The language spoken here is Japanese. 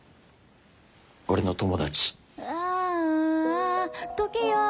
俺の友達。